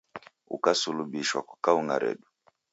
Ukasulubishwa kwa kaung'a redu.